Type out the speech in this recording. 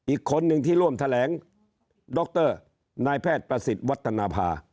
อีกคนนึงที่ร่วมแถลงดรนายแพทย์ประสิทธิ์วัฒนภา